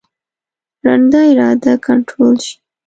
ړنده اراده کنټرول شي.